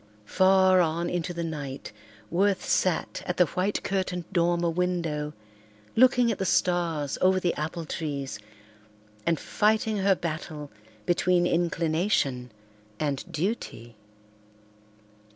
Far on into the night Worth sat at the white curtained dormer window, looking at the stars over the apple trees, and fighting her battle between inclination and duty.